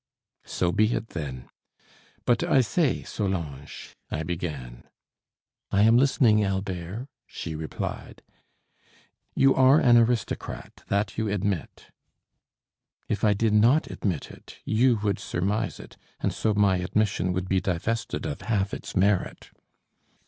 "So be it, then; but I say, Solange," I began. "I am listening, Albert," she replied. "You are an aristocrat that you admit." "If I did not admit it, you would surmise it, and so my admission would be divested of half its merit."